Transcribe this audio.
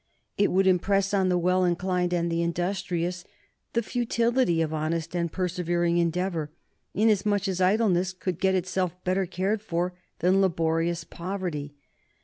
It would impress on the well inclined and the industrious the futility of honest and persevering endeavor, inasmuch as idleness could get itself better cared for than laborious poverty.